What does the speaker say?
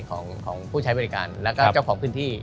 ของผู้ใช้บริการแล้วก็เจ้าของพื้นที่